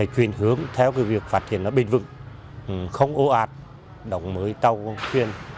chuyển hướng theo việc phát hiện nó bình vực không ố ạt đồng mới tàu khuyên